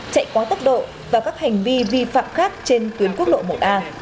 chạy quá tốc độ và các hành vi vi phạm khác trên tuyến quốc lộ một a